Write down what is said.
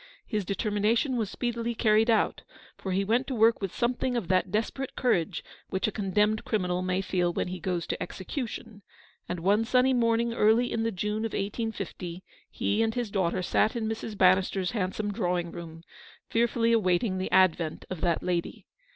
His de termination was speedily carried out, for he went to work with something of that desperate courage which a condemned criminal may feel when he goes to execution, and one sunny morning early in the June of 1850, he and his daughter sat in Mrs. Bannister's handsome drawing room, fearfully awaiting the advent of that lady.